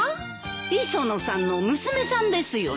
磯野さんの娘さんですよね。